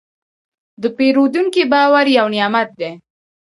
د پیرودونکي باور یو نعمت دی.